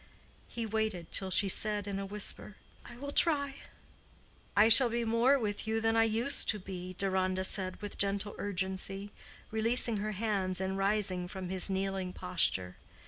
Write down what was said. He waited till she said in a whisper, "I will try." "I shall be more with you than I used to be," Deronda said with gentle urgency, releasing her hands and rising from his kneeling posture.